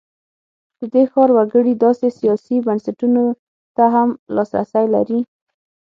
د دې ښار وګړي داسې سیاسي بنسټونو ته هم لاسرسی لري.